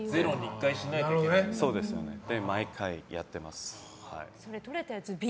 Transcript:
毎回やってます。